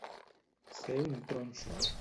Ser un tronxo.